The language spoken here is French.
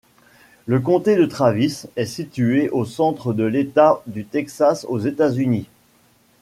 Le comté de Travis est situé au centre de l'État du Texas, aux États-Unis.